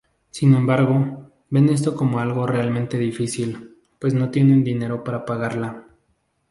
Sin embargo, ven esto como algo realmente difícil, pues no tienen dinero para pagarla.